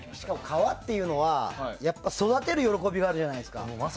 革っていうのは育てる喜びがあるじゃないですか。